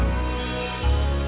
itu saat ribadah kemana